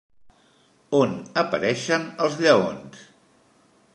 On apareixen els lleons?